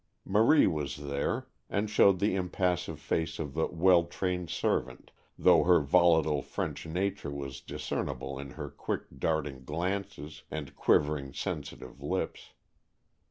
Marie was there, and showed the impassive face of the well trained servant, though her volatile French nature was discernible in her quick darting glances and quivering, sensitive lips.